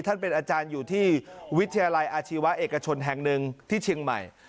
ท่านเป็นอาจารย์อยู่ที่วิทยาลัยอาชีวะเอกชนแห่งหนึ่งที่เชียงใหม่